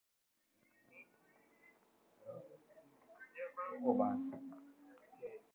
Three years later, Equatorial Guinea organized again African Cup of Nations.